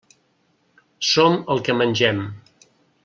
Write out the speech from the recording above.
Som el que mengem.